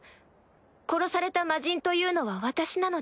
殺された魔人というのは私なのです。